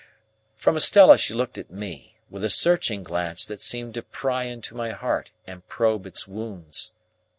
From Estella she looked at me, with a searching glance that seemed to pry into my heart and probe its wounds.